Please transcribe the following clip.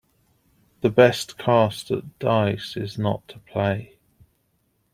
The best cast at dice is not to play.